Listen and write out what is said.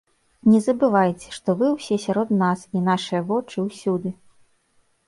Не забывайце, што вы ўсе сярод нас і нашыя вочы ўсюды.